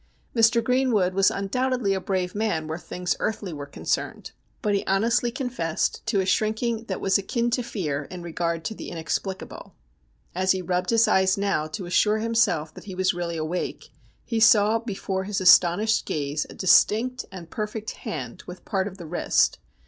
Mr. Greenwood was undoubtedly a brave man where things earthly were concerned, but he honestly confessed to ashrinking that was akin to fear in regard to the inexplicable. As he rubbed his eyes now to assure himself that he was really awake, he saw before his astonished gaze a distinct and perfect hand with part of the wrist.